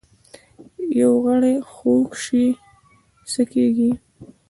یو غړی خوږ شي څه کیږي؟